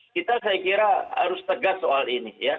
kita saya kira harus tegas soal ini ya